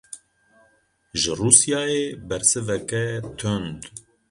Ji Rûsyayê bersiveke tund.